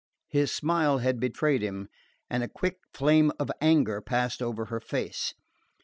His smile had betrayed him, and a quick flame of anger passed over her face.